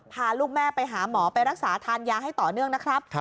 พาลูกแม่ไปหาหมอไปรักษาทานยาให้ต่อเนื่องนะครับ